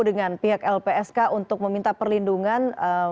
dengan pihak lpsk untuk meminta perlindungan